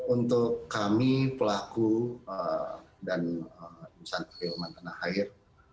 untuk kami pelaku dan insan perfiloman tanah air